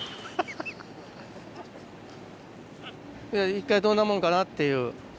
１回どんなもんかなっていう。